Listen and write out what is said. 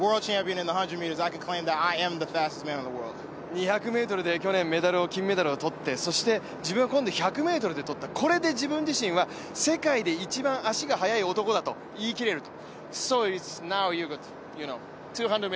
２００ｍで去年金メダルを取って、そして自分は今度は１００ｍで取った、これで自分自身は世界で一番足が速い男だと言い切れると。